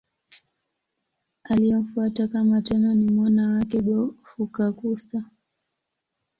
Aliyemfuata kama Tenno ni mwana wake Go-Fukakusa.